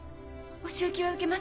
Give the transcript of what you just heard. お仕置きは受けます。